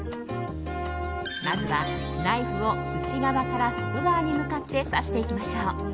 まずはナイフを内側から外側に向かって刺していきましょう。